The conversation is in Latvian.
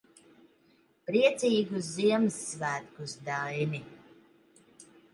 Priecīgus Ziemassvētkus, Daini.